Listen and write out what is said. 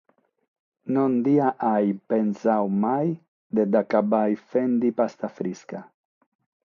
Non dia àere pensadu mai de dd'agabbare faghende pasta frisca.